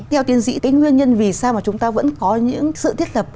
theo tiên sĩ nguyên nhân vì sao chúng ta vẫn có những sự thiết lập